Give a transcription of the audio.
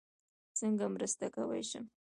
څنګه مرسته کوی شم؟